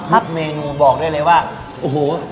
เมนูบอกได้เลยว่าโอ้โห